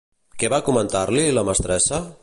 Què va comentar-li la mestressa?